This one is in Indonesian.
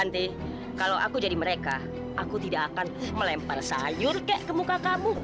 andri harus memenuhi syarat yang sudah ditentukan